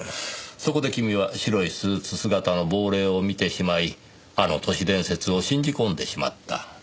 そこで君は白いスーツ姿の亡霊を見てしまいあの都市伝説を信じ込んでしまった。